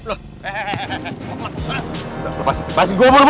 lepasin gue bunuh